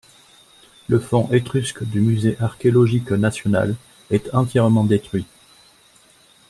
Le fond étrusque du musée archéologique national est entièrement détruit.